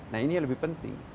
nah ini yang lebih penting